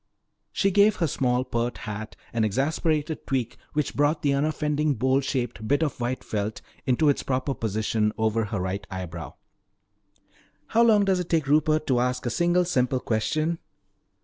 She gave her small, pert hat an exasperated tweak which brought the unoffending bowl shaped bit of white felt into its proper position over her right eyebrow. "How long does it take Rupert to ask a single simple question?"